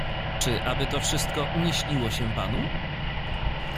"Czy aby to wszystko nie śniło się panu?"